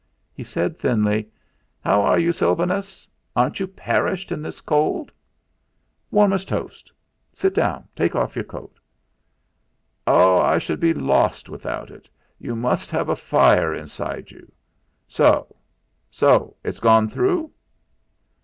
He said thinly: "How are you, Sylvanus? Aren't you perished in this cold?" "Warm as a toast. Sit down. Take off your coat." "Oh! I should be lost without it. You must have a fire inside you. So so it's gone through?"